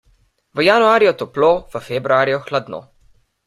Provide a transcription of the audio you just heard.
V januarju toplo, v februarju hladno.